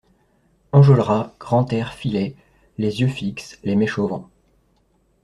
Enjolras, Grantaire filaient, les yeux fixes, les mèches au vent.